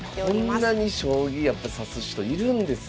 こんなに将棋やっぱ指す人いるんですね。